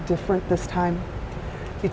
dia menikmati setiap menit